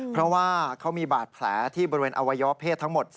เพราะว่าเขามีบาดแผลที่บริเวณอวัยวะเพศทั้งหมด